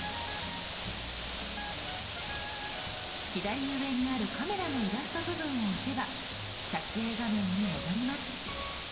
左上にあるカメラのイラスト部分を押せば撮影画面に戻ります。